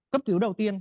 cấp cứu đầu tiên